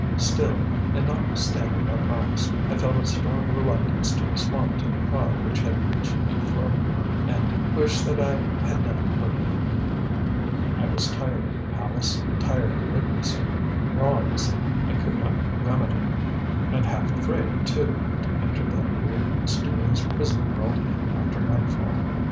Still, and notwithstanding my promise, I felt a strong reluctance to respond to the cry which had reached me from her, and wished that I had never heard it. I was tired of the palace, tired of witnessing wrongs I could not remedy, and half afraid, too, to enter that weird, mysterious prison world after nightfall.